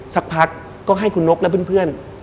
สักพักก็ให้คุณนกและเพื่อน